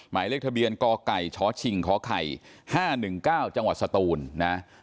หมายเลขทะเบียนกไก่ชชิงขอไข่๕๑๙จังหวัดสตูนนะ